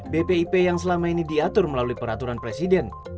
bpip yang selama ini diatur melalui peraturan presiden